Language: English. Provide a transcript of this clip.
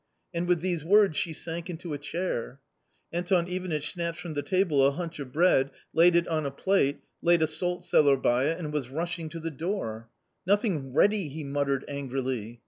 And with these words she sank into a chair. Anton Ivanitch snatched from the table a hunch of bread, laid it on a plate, laid a salt sellar by it, and was rushing to the door. " Nothing ready !" he muttered angrily.